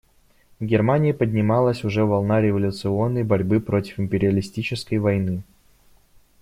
В Германии поднималась уже волна революционной борьбы против империалистической войны.